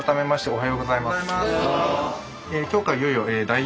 おはようございます。